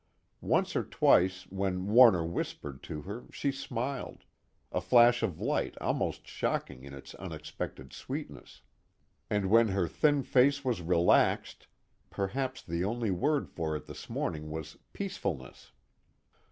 Once or twice when Warner whispered to her she smiled, a flash of light almost shocking in its unexpected sweetness. And when her thin face was relaxed, perhaps the only word for it this morning was peacefulness.